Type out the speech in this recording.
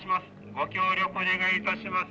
ご協力お願いいたします」。